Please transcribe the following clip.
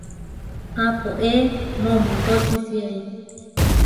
Apóe momotóčisiai.